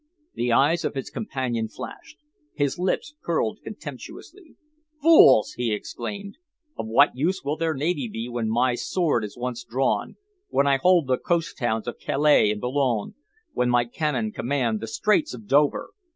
The eyes of his companion flashed. His lips curled contemptuously. "Fools!" he exclaimed. "Of what use will their navy be when my sword is once drawn, when I hold the coast towns of Calais and Boulogne, when my cannon command the Straits of Dover!